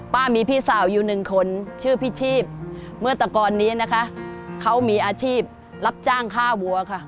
พี่มีพี่สาวอยู่หนึ่งคนชื่อพี่ชีพเมื่อตะกรนี้นะคะเขามีอาชีพรับจ้างค่าวัวค่ะ